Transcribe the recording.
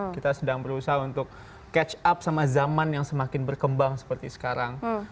kita sedang berusaha untuk catch up sama zaman yang semakin berkembang seperti sekarang